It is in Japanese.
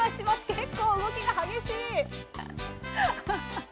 結構、動きが激しい！